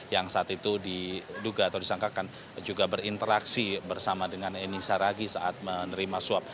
yang saat itu diduga atau disangkakan juga berinteraksi bersama dengan eni saragi saat menerima suap